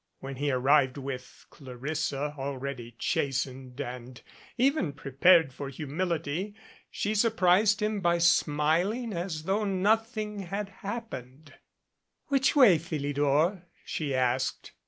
When he arrived with Cla rissa, already chastened and even prepared for humility, she surprised him by smiling as though nothing had hap pened. " Which way, Philidor?" she asked.